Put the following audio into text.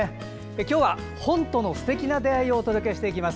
今日は、本とのすてきな出会いをお届けしていきます。